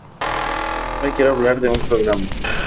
Ahora quiero hablar de un programa